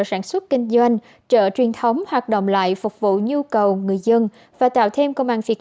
sản xuất kinh doanh chợ truyền thống hoạt động lại phục vụ nhu cầu người dân và tạo thêm công an việc